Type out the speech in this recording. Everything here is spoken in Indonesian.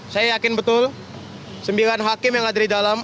saya yakin betul sembilan hakim yang ada di dalam